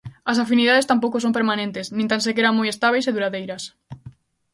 As afinidades tampouco son permanentes, nin tan sequera moi estábeis e duradeiras.